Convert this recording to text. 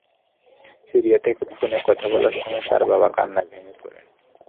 Syria থেকে ফোনে কথা বলার সময় তাঁর বাবা কান্নায় ভেঙে পড়েন।